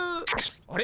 あれ？